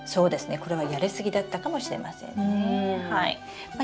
これはやり過ぎだったかもしれませんね。